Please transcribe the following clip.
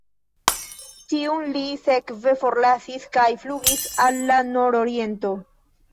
Tiun li sekve forlasis kaj flugis al la nororiento.